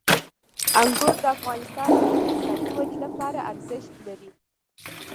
انګور د افغانستان د اقتصادي ودې لپاره ارزښت لري.